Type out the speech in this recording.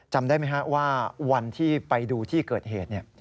จำได้ไหมฮะว่าวันที่ไปดูที่เกิดเหตุเนี่ย